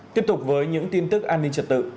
tiếp tục với những tin tức an ninh trật tự